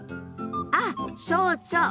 あっそうそう！